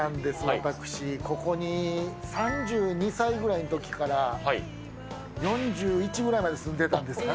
私、ここに３２歳ぐらいのときから、４１ぐらいまで住んでたんですよね。